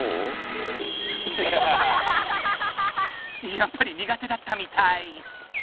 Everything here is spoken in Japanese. やっぱりにが手だったみたい。